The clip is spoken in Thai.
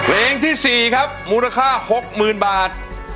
เพลงที่๔ครับมูลค่า๖๐๐๐บาท